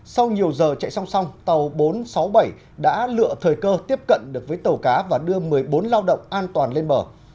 sau nhiều giờ chạy song song tàu bốn trăm sáu mươi bảy đã lựa thời cơ tiếp cận được với tàu cá và đưa một mươi bốn lao động an toàn lên bờ